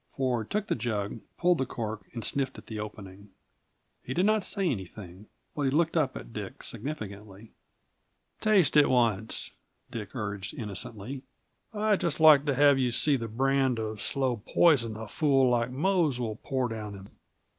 Ford took the jug, pulled the cork, and sniffed at the opening. He did not say anything, but he looked up at Dick significantly. "Taste it once!" urged Dick innocently. "I'd just like to have you see the brand of slow poison a fool like Mose will pour down him."